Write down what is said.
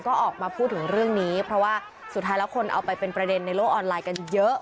ก็ออกมาพูดถึงเรื่องนี้เพราะว่าสุดท้ายแล้วคนเอาไปเป็นประเด็นในโลกออนไลน์กันเยอะ